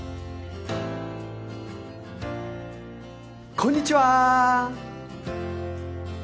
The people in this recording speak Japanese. こんにちは！